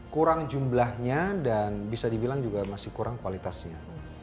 kurang jumlahnya dan bisa dibilang juga masih kurang kualitasnya